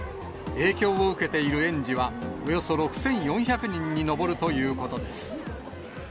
影響を受けている園児はおよそ６４００人に上るということです。